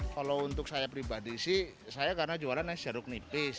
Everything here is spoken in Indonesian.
kalau untuk saya pribadi sih saya karena jualan nas jeruk nipis